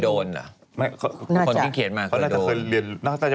โดนคอมเมนต์เหมือนผู้ชาย